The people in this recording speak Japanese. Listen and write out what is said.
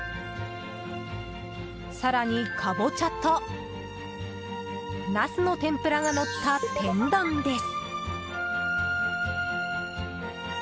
更にカボチャとナスの天ぷらがのった天丼です。